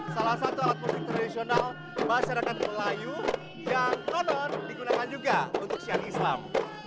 salah satu alat musik tradisional masyarakat melayu yang konon digunakan juga untuk syari islam